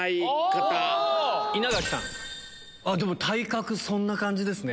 体格そんな感じですね。